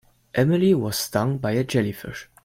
Emily was stung by a jellyfish.